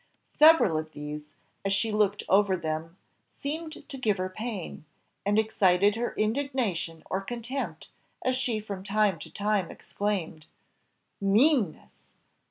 Several of these, as she looked over them, seemed to give her pain, and excited her indignation or contempt as she from time to time exclaimed "Meanness!